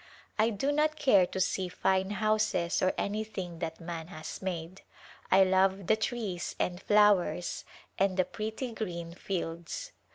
I do not care to see fine houses or anything that man has made. I love the trees and flowers and the pretty green fields."